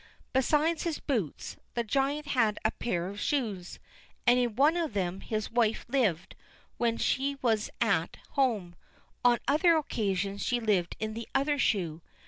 Besides his boots, the giant had a pair of shoes, and in one of them his wife lived when she was at home; on other occasions she lived in the other shoe.